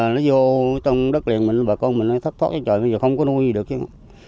nó vô trong đất liền mình bà con mình nó thất thoát ra trời bây giờ không có nuôi gì được chứ